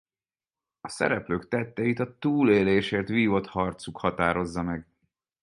A szereplők tetteit a túlélésért vívott harcuk határozza meg.